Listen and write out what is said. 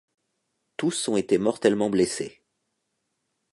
Tous ont été mortellement blessés.